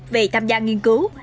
về tham gia nghiên cứu